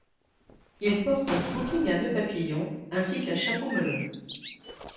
Il porte un smoking à nœud papillon, ainsi qu'un chapeau melon.